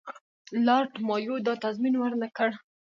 لارډ مایو دا تضمین ورنه کړ.